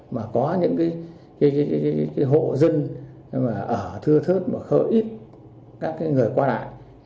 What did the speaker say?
mà có những cái hộ dân ở thưa thớt mà khởi ít các cái người qua lại